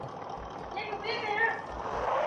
یا په کوچ کې هډوکي پټ کړي